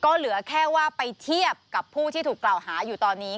ก็เหลือแค่ว่าไปเทียบกับผู้ที่ถูกกล่าวหาอยู่ตอนนี้